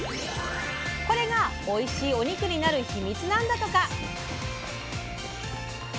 これがおいしいお肉になるヒミツなんだとか！